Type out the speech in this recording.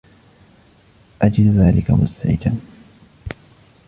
أَجِدُ ذَلِكَ مُزعِجاً